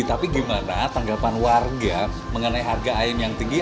tapi gimana tanggapan warga mengenai harga ayam yang tinggi